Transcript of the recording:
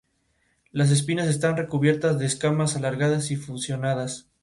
Edgardo Suárez, el locutor del acto, alternaba con Favio los llamados a la tranquilidad.